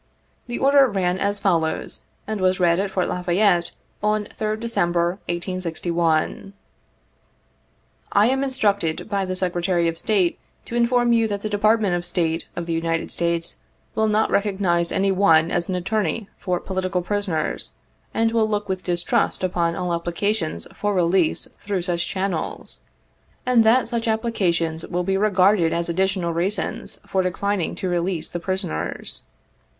The order ran as follows, and was read at Fort La Fayette on 3d Dec, 1861 : 60 " I am instructed by the Secretary of State to inform you that the Department of State of the United States will not recognize any one as an attorney for political prisoners, and will look with distrust upon all applications for release through such channels ; and that such ap plications will be regarded as additional reasons for declining to release the prisoners.